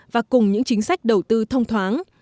và cùng những chính sách đầu tư thông thoáng